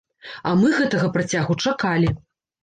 А мы гэтага працягу чакалі.